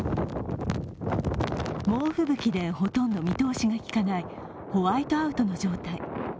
猛吹雪でほとんど見通しがきかない、ホワイトアウトの状態。